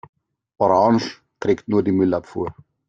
Orange trägt nur die Müllabfuhr.